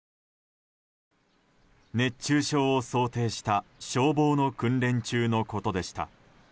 熱中症を想定した消防の訓練中のことでした。